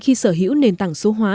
khi sở hữu nền tảng số hóa